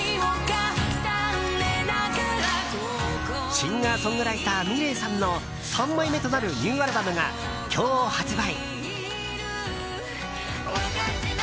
シンガーソングライターｍｉｌｅｔさんの３枚目となるニューアルバムが今日、発売。